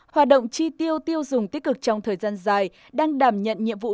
hòa động tri tiêu tiêu dùng tích cực trong thời gian dài đang đảm nhận nhiệm vụ